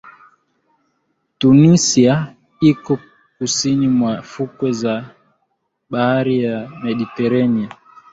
Tunisia iko kusini mwa fukwe ya bahari ya mediterania